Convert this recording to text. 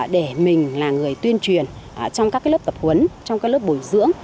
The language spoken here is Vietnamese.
để mình là người tuyên truyền trong các lớp tập huấn trong các lớp bồi dưỡng